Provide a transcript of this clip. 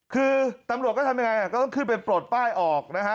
คือตำรวจก็ทำยังไงก็ต้องขึ้นไปปลดป้ายออกนะฮะ